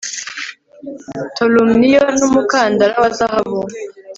Tolumniyo numukandara wa zahabu